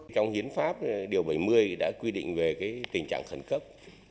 trong hiến pháp điều bảy mươi đã quy định về tình trạng khẩn cấp